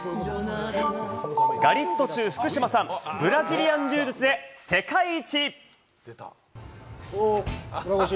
ガリットチュウ・福島さん、ブラジリアン柔術で世界一！